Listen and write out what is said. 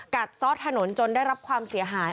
ซอสถนนจนได้รับความเสียหาย